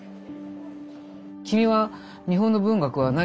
「君は日本の文学は何が好きか？